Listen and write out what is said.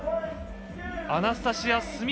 アナスタシヤ・